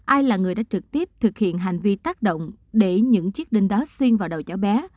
ai là người đã trực tiếp thực hiện hành vi tác động để những chiếc đinh đó xuyên vào đầu cháu bé